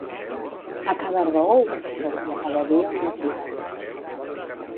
A cada raó un passó i a cada dia una tria.